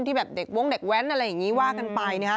แบบเด็กวงเด็กแว้นอะไรอย่างนี้ว่ากันไป